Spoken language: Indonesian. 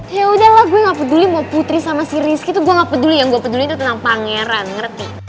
ya udahlah gue gak peduli mau putri sama si rizky tuh gue gak peduli yang gue peduli tentang pangeran ngerti